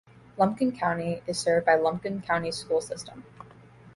Lumpkin County is served by Lumpkin County School System.